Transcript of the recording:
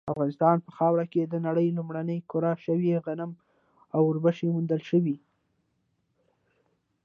افغانستان په خاوره کې د نړۍ لومړني کره شوي غنم او وربشې موندل شوي